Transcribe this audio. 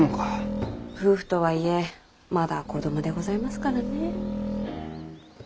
夫婦とはいえまだ子供でございますからねえ。